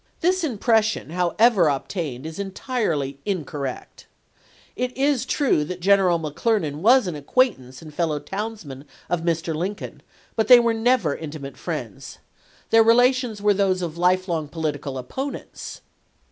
This impression, however obtained, is entirely in correct. It is true that General McClernand was an acquaintance and fellow townsman of Mr. Lin coln, but they were never intimate friends ; their 136 ABRAHAM LINCOLN chap. v. relations were those of lifelong political opponents.